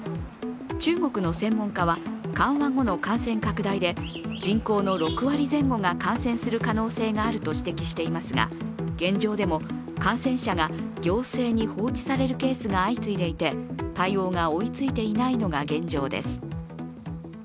中国の専門家は緩和後の感染拡大で人口の６割前後が感染する可能性があると指摘していますが現状でも感染者が行政に放置されるケースが相次いでいて対応が追いついていないのが現状です。